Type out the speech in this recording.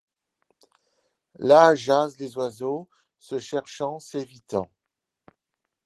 Là jasent les oiseaux, se cherchant, s'évitant ;